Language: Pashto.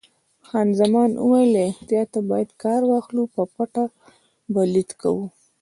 خان زمان وویل: له احتیاطه باید کار واخلو، په پټه به لیدل کوو.